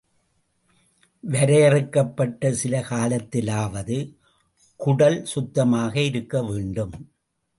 வரையறுக்கப்பட்ட சில காலத்திலாவது, குடல் சுத்தமாக இருக்க வேண்டும்.